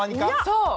そう。